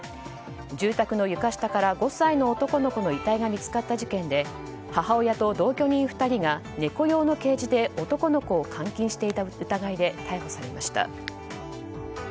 住宅の床下から５歳の男の子の遺体が見つかった事件で母親と同居人２人が猫用のケージで男の子を監禁していた疑いで逮捕されました。